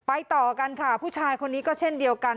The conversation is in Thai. ต่อกันค่ะผู้ชายคนนี้ก็เช่นเดียวกัน